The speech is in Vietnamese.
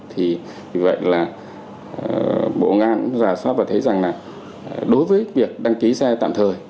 thì như vậy là bộ công an cũng rà soát và thấy rằng là đối với việc đăng ký xe tạm thời